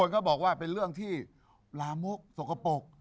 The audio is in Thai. เขาบอกว่าเป็นเรื่องที่ลามกสกปรก